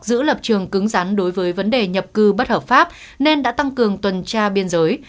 giữ lập trường cứng rắn đối với vấn đề nhập cư bất hợp pháp nên đã tăng cường tuần tra biên giới